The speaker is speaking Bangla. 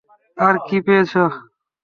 আর কি পেয়েছ?